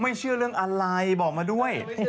เชื่อเรื่องอะไรบอกมาด้วย